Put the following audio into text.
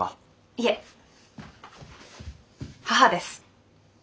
いえ母です。